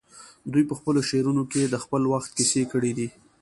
دوی په خپلو شعرونو کې د خپل وخت کیسې کړي دي